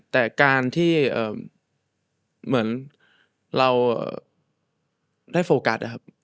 แต่การที่เหมือนเราได้โฟกัสนะครับ